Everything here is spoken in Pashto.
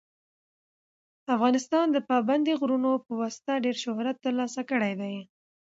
افغانستان د پابندي غرونو په واسطه ډېر شهرت ترلاسه کړی دی.